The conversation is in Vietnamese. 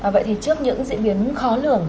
vậy thì trước những diễn biến khó lường